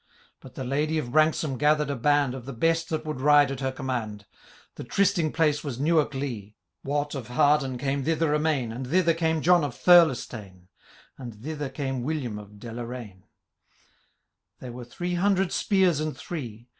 But the Ladye of Branksome gathered a band Of the best that would ride at her command :' The trysting place was Newark Lee. Wat of Harden came thither amain. And thither came John of Thirlestane, And thither came William of Deloraine ; They were three hundred spears and three.